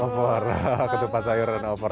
opor ketepat sayur dan opor